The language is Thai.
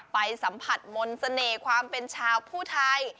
ไปสัมผัสมนต์เสน่ห์ความเป็นชาวผู้ไทย